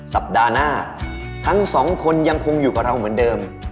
สัปดาห์หน้าทั้งสองคนยังคงอยู่กับเราเหมือนเดิม